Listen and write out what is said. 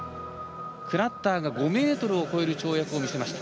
クラッターが５ｍを超える跳躍を見せました。